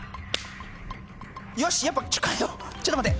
よしやっぱ変えようちょっと待って。